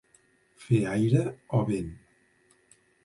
Fer aire o vent.